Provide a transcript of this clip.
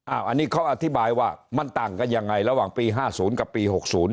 อันนี้เขาอธิบายว่ามันต่างกันยังไงระหว่างปี๕๐กับปี๖๐